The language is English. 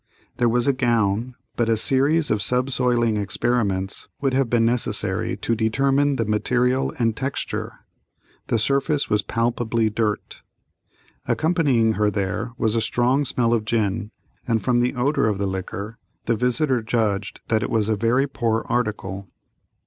There was a gown, but a series of subsoiling experiments would have been necessary to determine the material and texture; the surface was palpably dirt. Accompanying her there was a strong smell of gin, and from the odor of the liquor the visitor judged that it was a very poor article.